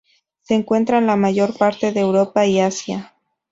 Se encuentra en la mayor parte de Europa y Asia.